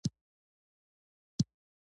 پدې کې هیڅ ځانګړی شی نشته